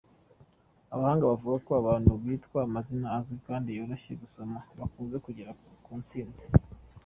Abahanga bavuga ko abantu bitwa amazina azwi kandi yoroshye kuyasoma, bakunze kugera ku ntsinzi.